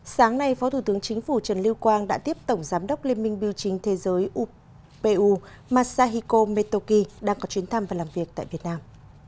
sáng nay phó thủ tướng chính phủ trần lưu quang đã tiếp tổng giám đốc liên minh biểu chính thế giới upu masahiko metoki đang có chuyến thăm và làm việc tại việt nam